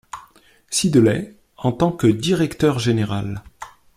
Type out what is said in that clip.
Siddeley en tant que directeur général.